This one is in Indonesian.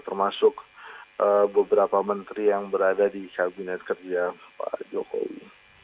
termasuk beberapa menteri yang berada di kabinet kerja pak jokowi